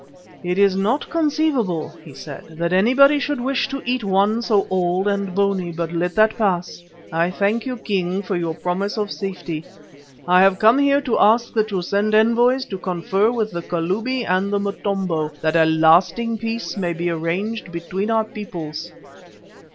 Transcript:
"It is not conceivable," he said, "that anybody should wish to eat one so old and bony, but let that pass. I thank you, King, for your promise of safety. I have come here to ask that you should send envoys to confer with the Kalubi and the Motombo, that a lasting peace may be arranged between our peoples."